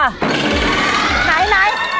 ไหน